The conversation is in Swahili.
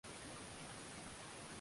kapero mimi napenda nikushukuru sana